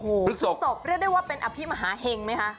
พึกศกเรียกได้ว่าเป็นอภิมฮเฮงไหมคะ